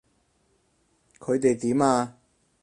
佢哋點啊？